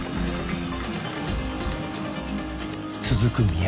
続く宮。